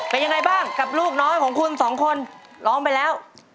เป็นยังไงบ้างกับลูกน้อยของคุณสองคนร้องไปแล้ว